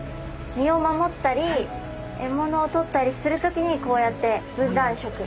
身を守ったり獲物をとったりする時にこうやって分断色が出るんですね。